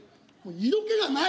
色気がない。